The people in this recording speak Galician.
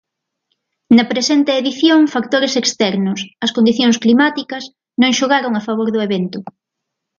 Na presente edición factores externos, as condicións climáticas, non xogaron a favor do evento.